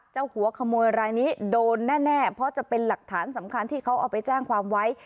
หัวขโมยรายนี้โดนแน่เพราะจะเป็นหลักฐานสำคัญที่เขาเอาไปแจ้งความไว้